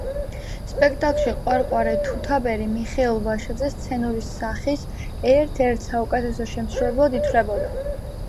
სპექტაკლში „ყვარყვარე თუთაბერი“, მიხეილ ვაშაძე სცენური სახის ერთ-ერთ საუკეთესო შემსრულებლად ითვლებოდა.